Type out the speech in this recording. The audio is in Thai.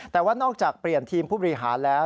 แต่ว่านอกจากเปลี่ยนทีมผู้บริหารแล้ว